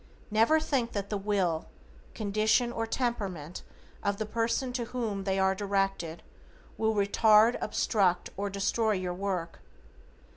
Never think that the will, condition, or temperament of the person to whom they are directed, will retard, obstruct or destroy your work.